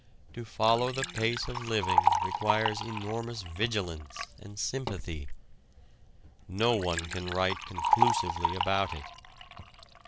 To follow the pace of living requires enormous vigilance and sympathy. No one can write conclusively about it.